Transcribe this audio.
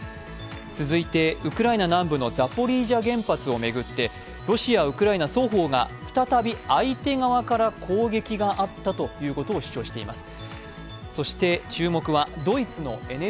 続いてウクライナ南部のザポリージャ原発を巡ってロシア、ウクライナ双方が再び相手側から攻撃があったということを主張しています。